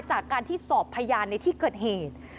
จากการที่สอบพยานในที่เกิดเหตุ